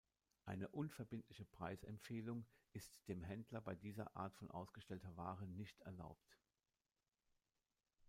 Eine unverbindliche Preisempfehlung ist dem Händler bei dieser Art von ausgestellter Ware nicht erlaubt.